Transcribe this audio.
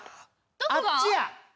あっちや。